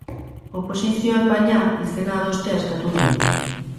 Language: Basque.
Oposizioak, baina, izena adostea eskatu dio.